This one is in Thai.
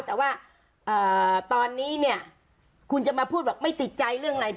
แต่ว่าตอนนี้เนี่ยคุณจะมาพูดบอกไม่ติดใจเรื่องอะไร